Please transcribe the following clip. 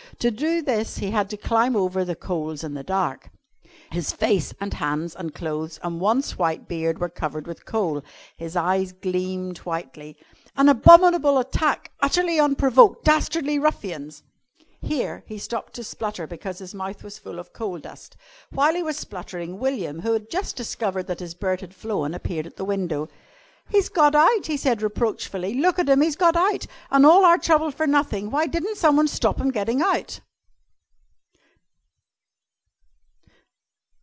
To do this he had had to climb over the coals in the dark. His face and hands and clothes and once white beard were covered with coal. His eyes gleamed whitely. [Illustration: "HE'S GOT OUT," WILLIAM SAID REPROACHFULLY. "WHY DI'N'T SOMEONE STOP HIM GETTIN' OUT?"] "An abominable attack ... utterly unprovoked ... dastardly ruffians!" Here he stopped to splutter because his mouth was full of coal dust. While he was spluttering, William, who had just discovered that his bird had flown, appeared at the window. "He's got out," he said reproachfully. "Look at him. He's got out. An' all our trouble for nothing. Why di'n't someone stop him gettin' out?"